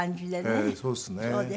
ええそうですね。